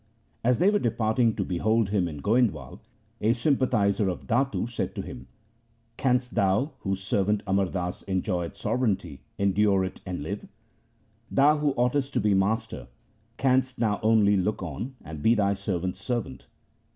As they were departing to behold him in Goindwal, a sympathizer of Datu said to him, ' Canst thou, whose servant Amar Das enjoy eth sovereignty, en dure it and live ? Thou who oughtest to be master, canst now only look on, and be thy servant's servant.